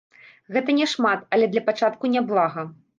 Гэта няшмат, але для пачатку няблага.